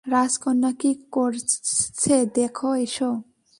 রাজকন্যা কি করছে দেখে এসো।